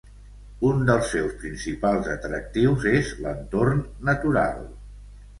Un dels seus principals atractius és l'entorn natural.